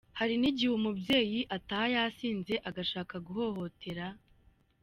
Hari n’igihe umubyeyi ataha yasinze agashaka ku guhohotera .